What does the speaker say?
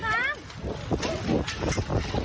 เฮ้ยเฮ้ยเฮ้ยเฮ้ย